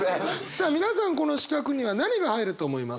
さあ皆さんこの四角には何が入ると思いますか？